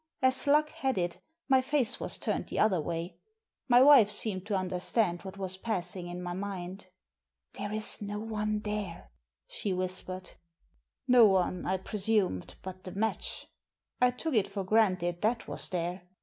As luck had it, my face was turned the other way. My wife seemed to understand what was passing in my mind " There's no one there," she whispered. No one, I presumed, but the match. I took it for granted that was there.